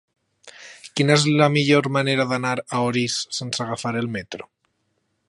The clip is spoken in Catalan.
Quina és la millor manera d'anar a Orís sense agafar el metro?